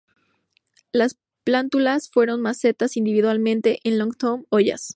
Las plántulas fueron macetas individualmente en "Long Tom" ollas.